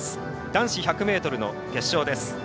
男子１００ｍの決勝です。